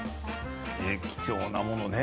貴重なものをね